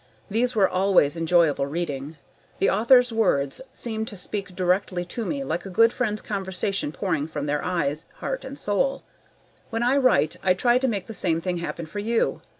These were always enjoyable reading. The author's words seemed to speak directly to me like a good friend's conversation pouring from their eyes, heart and soul. When I write I try to make the same thing happen for you.